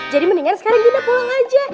jadi mendingan sekarang gina pulang aja